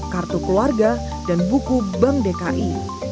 kartu keluarga dan buku bank dki